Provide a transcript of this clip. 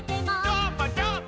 どーもどーも。